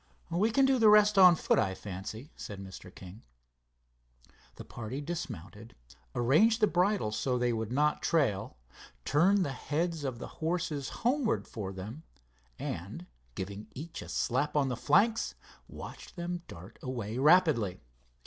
"We can do the rest on foot, I fancy," said Mr. King. The party dismounted, arranged the bridles so they would not trail, turned the heads of the horses homewards for them, and, giving each a slap on the flanks, watched them dart away, rapidly.